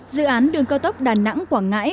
dự án đường cao tốc đà nẵng quảng ngãi